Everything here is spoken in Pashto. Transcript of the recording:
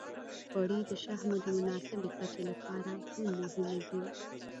غوړې د شحمو د مناسبې کچې لپاره هم مهمې دي.